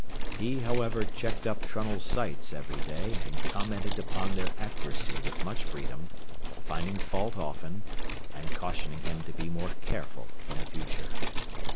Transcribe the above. He, however, checked up Trunnell's sights every day and commented upon their accuracy with much freedom, finding fault often, and cautioning him to be more careful in the future.